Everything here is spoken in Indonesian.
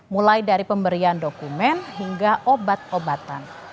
mulai dari pemberian dokumen hingga obat obatan